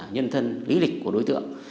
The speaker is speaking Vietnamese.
nhân thân lý lịch của đối tượng